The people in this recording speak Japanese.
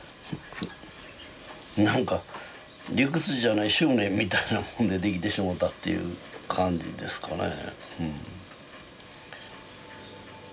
なんか理屈じゃない執念みたいなもんで出来てしもうたっていう感じですかね。